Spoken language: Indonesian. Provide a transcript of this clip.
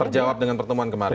terjawab dengan pertemuan kemarin